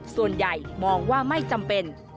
ส่วนใหญ่มองว่าไม่จำเป็น